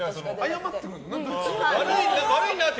謝ってくるんだ。